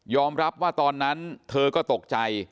รับว่าตอนนั้นเธอก็ตกใจ